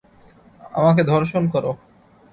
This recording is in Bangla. আমাকে ধর্ষণ করো।